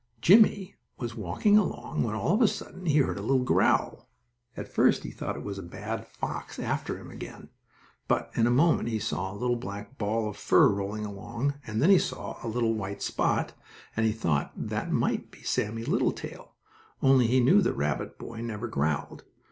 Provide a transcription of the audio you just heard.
Jimmie was walking along, when, all of a sudden, he heard a little growl. At first he thought it was the bad fox after him again, but in a moment he saw a little black ball of fur rolling along, and then he saw a little white spot, and he thought that might be Sammie Littletail, only he knew the rabbit boy never growled.